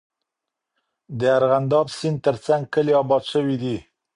د ارغنداب سیند ترڅنګ کلي آباد سوي دي.